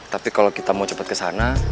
tapi kalau kita mau cepat ke sana